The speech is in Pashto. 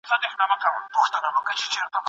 د لاهور مغول ته سر په سجده پرېوځي